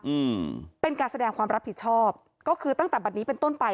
อืมเป็นการแสดงความรับผิดชอบก็คือตั้งแต่บัตรนี้เป็นต้นไป